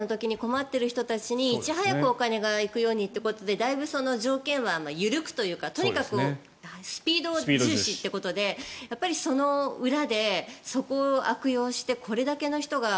元々はコロナの時に困っている人たちにいち早くお金が行くようにということでだいぶ条件は緩くというかとにかくスピード重視ということでやっぱりその裏でそこを悪用してこれだけの人が。